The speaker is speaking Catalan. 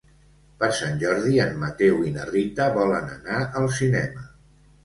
Per Sant Jordi en Mateu i na Rita volen anar al cinema.